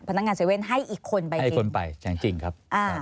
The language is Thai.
พนักงาน๗๑๑ให้อีกคนไปจริงครับ